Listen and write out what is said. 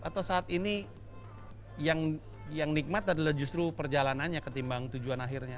atau saat ini yang nikmat adalah justru perjalanannya ketimbang tujuan akhirnya